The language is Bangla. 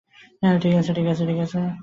ঠিক আছে, ঠিক আছে।